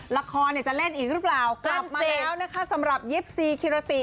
ละครจะเล่นอีกหรือเปล่ากลับมาแล้วสำหรับ๒๔คิรติ